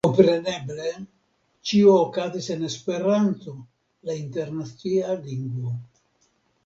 Kompreneble ĉio okazis en Esperanto, la internacia lingvo.